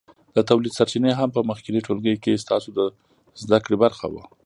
د تولید سرچینې هم په مخکېني ټولګي کې ستاسو د زده کړې برخه وه.